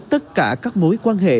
tất cả các mối quan hệ